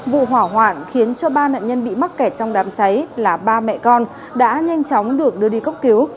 vụ hỏa hoạn khiến cho ba nạn nhân bị mắc kẹt trong đám cháy là ba mẹ con đã nhanh chóng được đưa đi cấp cứu